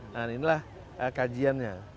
nah inilah kajiannya